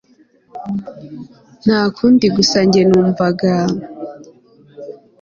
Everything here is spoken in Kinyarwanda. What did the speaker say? ntakundi gusa njye numvaga